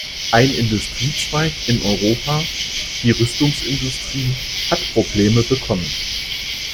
Ein Industriezweig in Europa, die Rüstungsindustrie, hat Probleme bekommen.